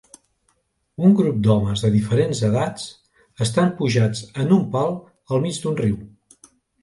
Un grup d'homes de diferents edats estan pujats en un pal al mig d'un riu.